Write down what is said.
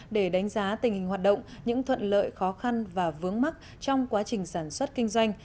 để đánh giá tình hình hoạt động những thuận lợi khó khăn và vướng mắt trong quá trình sản xuất kinh doanh